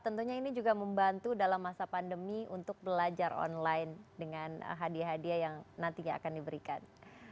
tentunya ini juga membantu dalam masa pandemi untuk belajar online dengan hadiah hadiah yang nantinya akan diberikan